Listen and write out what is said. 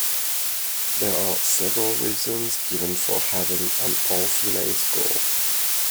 There are several reasons given for having an all-female school.